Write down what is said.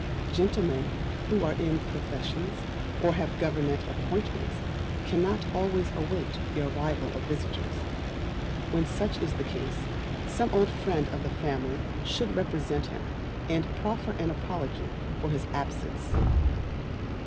Gentlemen who are in professions, or have Government appointments, cannot always await the arrival of visitors; when such is the case, some old friend of the family should represent him, and proffer an apology for his absence.